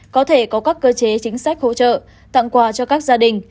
có thể có các cơ chế chính sách hỗ trợ tặng quà cho các gia đình